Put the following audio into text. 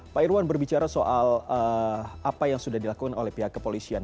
pak irwan berbicara soal apa yang sudah dilakukan oleh pihak kepolisian